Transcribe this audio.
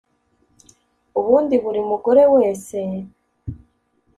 ubundi buri mugore wese,